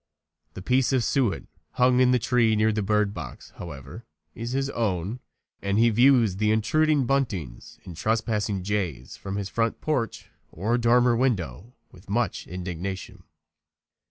The piece of suet hung in the tree near the bird box, however, is his own, and he views the intruding buntings and trespassing jays from his front porch or dormer window with much indignation.